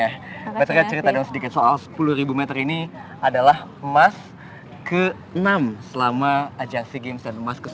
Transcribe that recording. mbak triya cerita dong sedikit soal sepuluh meter ini adalah emas ke enam selama ajak sea games dan emas ke sebelas